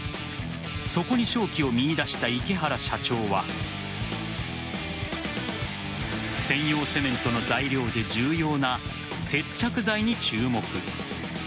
そこで商機を見いだした池原社長は専用セメントの材料で重要な接着剤に注目。